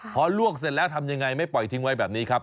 พอลวกเสร็จแล้วทำยังไงไม่ปล่อยทิ้งไว้แบบนี้ครับ